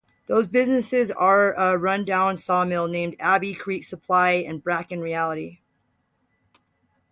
Those businesses are a run-down sawmill named, "Abby Creek Supply" and "Brackin Realty".